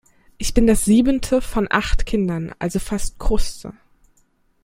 Ich bin das siebente von acht Kindern, also fast Kruste.